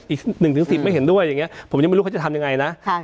อีก๑๑๐ไม่เห็นด้วยอย่างนี้ผมยังไม่รู้เขาจะทำยังไงนะ